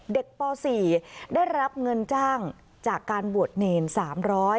เด็กป่อ๔ได้รับเงินจ้างจากการบวชเนร๓๐๐